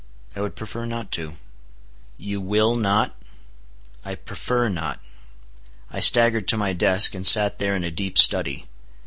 "I would prefer not to." "You will not?" "I prefer not." I staggered to my desk, and sat there in a deep study.